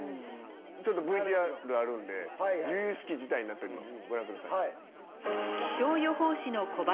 ちょっとＶＴＲあるんで由々しき事態になっております。